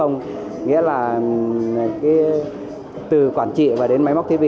nghĩa là từ quản trị và đến máy móc thiết bị